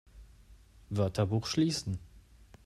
Wörterbuch schließen!